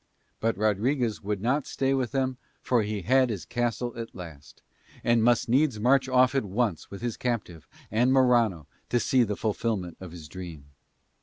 But Rodriguez would not stay with them for he had his castle at last, and must needs march off at once with his captive and Morano to see the fulfilment of his dream.